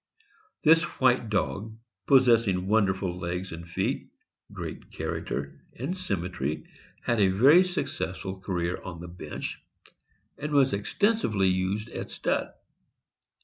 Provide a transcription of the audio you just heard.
This white dog, possessing wonderful legs and feet, great character and symmetry, had a very successful career on the bench, and was exten sively used at stud.